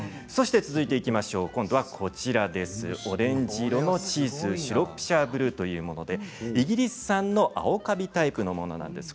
続いていきましょうオレンジ色のチーズシュロップシャー・ブルーというものでイギリス産の青カビタイプのものなんです。